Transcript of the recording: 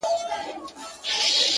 مسافرۍ كي يك تنها پرېږدې-